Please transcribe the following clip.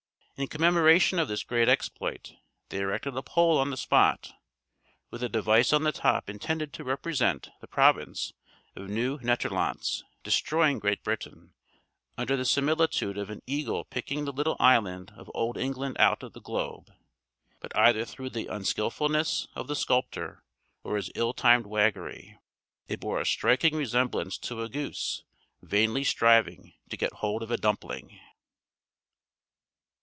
In commemoration of this great exploit they erected a pole on the spot, with a device on the top intended to represent the province of Nieuw Nederlandts destroying Great Britain, under the similitude of an eagle picking the little island of Old England out of the globe; but either through the unskillfulness of the sculptor, or his ill timed waggery, it bore a striking resemblance to a goose vainly striving to get hold of a dumpling.